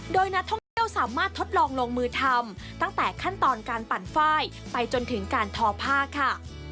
โดยนักท่องเที่ยวสามารถทดลองลงมือทำตั้งแต่ขั้นตอนการปั่นไฟล์ไปจนถึงการทอผ้าค่ะ